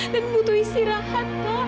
dan butuh istirahat pak